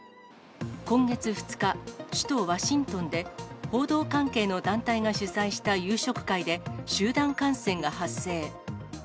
今月２日、首都ワシントンで、報道関係の団体が主催した夕食会で、集団感染が発生。